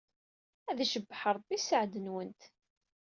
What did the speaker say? Ad icebbeḥ Ṛebbi sseɛd-nwent.